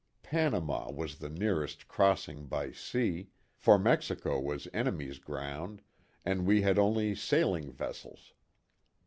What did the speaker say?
Panama was the nearest crossing by sea, for Mexico was enemy's ground, and we had only sailing vessels.